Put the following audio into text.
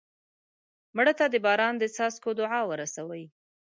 مړه ته د باران د څاڅکو دعا ورسوې